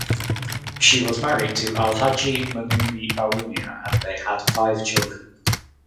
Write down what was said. She was married to Alhaji Mumuni Bawumia and they had five children.